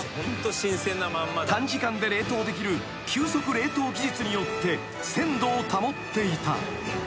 ［短時間で冷凍できる急速冷凍技術によって鮮度を保っていた］